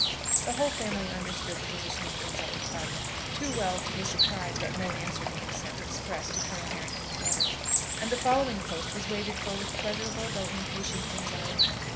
The whole family understood the position of things at the Park too well to be surprised at no answer being sent express to Colonel Harrington's letter, and the following post was waited for with pleasurable though impatient anxiety.